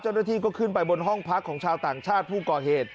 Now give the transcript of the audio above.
เจ้าหน้าที่ก็ขึ้นไปบนห้องพักของชาวต่างชาติผู้ก่อเหตุ